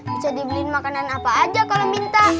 bisa dibeliin makanan apa aja kalau minta